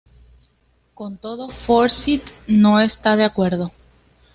Con todo Forsyth no está de acuerdo.